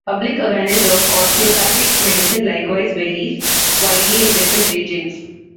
Public awareness of osteopathic medicine likewise varies widely in different regions.